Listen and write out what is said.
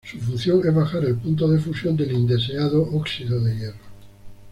Su función es bajar el punto de fusión del indeseado óxido de hierro.